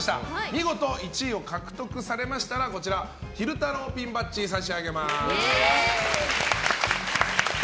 見事、１位を獲得されましたら昼太郎ピンバッジを差し上げます。